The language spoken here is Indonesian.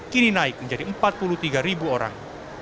kini naik menjadi empat puluh tiga ribu orang